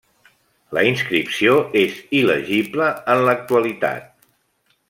La inscripció és il·legible en l'actualitat.